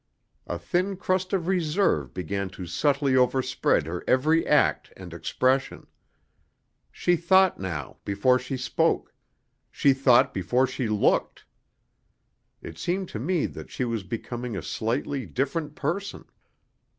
A thin crust of reserve began to subtly overspread her every act and expression. She thought now before she spoke; she thought before she looked. It seemed to me that she was becoming a slightly different person.